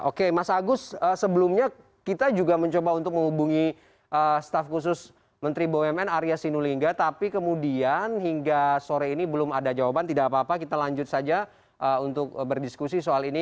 oke mas agus sebelumnya kita juga mencoba untuk menghubungi staf khusus menteri bumn arya sinulinga tapi kemudian hingga sore ini belum ada jawaban tidak apa apa kita lanjut saja untuk berdiskusi soal ini